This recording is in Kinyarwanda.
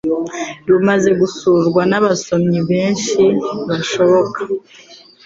rumaze gusurwa n'abasomyi benshi bashoboka